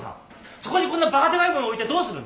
そこにこんなバカでかいものを置いてどうするんだ？